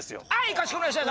かしこまりました！